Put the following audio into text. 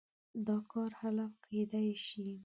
دا کار هله کېدای شي.